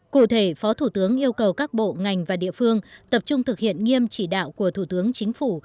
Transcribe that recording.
cụ thể phó thủ tướng yêu cầu các bộ ngành và địa phương tập trung thực hiện nghiêm chỉ đạo của thủ tướng chính phủ